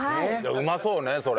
うまそうねそれ。